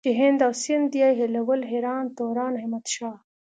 چې هند او سندھ ئې ايلول ايران توران احمد شاه